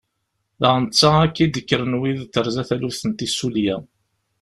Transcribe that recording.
Daɣ netta akka i d-kkren wid terza taluft n tissulya.